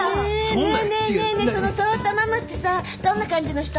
その蒼太ママってさどんな感じの人？